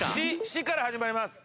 「シ」から始まります。